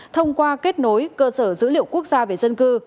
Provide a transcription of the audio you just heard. thông qua kết nối cơ sở dữ liệu quốc gia về dân cư